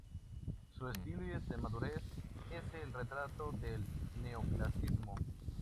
Su estilo de madurez es el retrato del neoclasicismo.